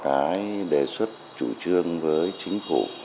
có cái đề xuất chủ trương với chính phủ